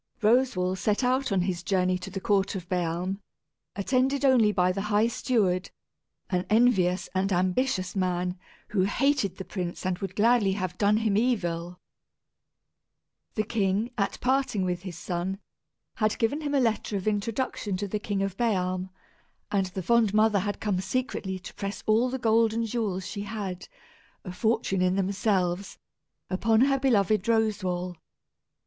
Roswal set out on his journey to the court of Bealm, attended only by the high steward, an envious and ambitious man, who hated the prince and would gladly have done him evil. The king, at parting with his son, had given him a letter of introduction to the King of Bealm; and the fond mother had come secretly to press all the gold and jewels she had, a fortune in themselves, upon her beloved Roswal.